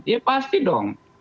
ya pasti dong